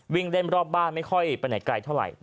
วิ่งเล่นรอบบ้านไม่ค่อยไปไหนไกลเท่าไหร่